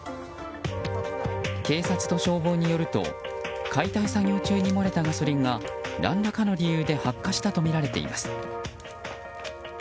警察と消防によると解体作業中に漏れたガソリンが何らかの理由で発火したとみられています。